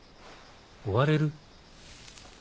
おわれる？